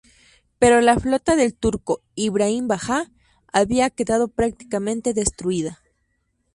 Pero la flota del turco Ibrahim Bajá había quedado prácticamente destruida.